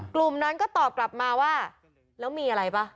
กลุ่มนั้นก็ตอบกลับมาว่าแล้วมีอะไรป่ะ